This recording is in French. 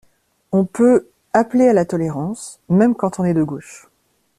On peut 'appeler à la tolérance', même quand on est de gauche.